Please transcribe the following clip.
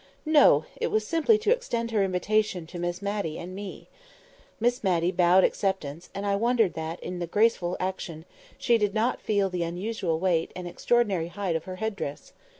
No! it was simply to extend her invitation to Miss Matty and to me. Miss Matty bowed acceptance; and I wondered that, in the graceful action, she did not feel the unusual weight and extraordinary height of her head dress.